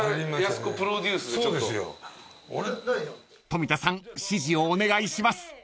［富田さん指示をお願いします］